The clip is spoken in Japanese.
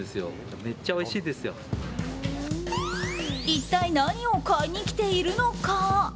一体何を買いに来ているのか。